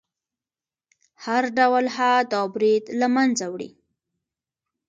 هر ډول حد او برید له منځه وړي.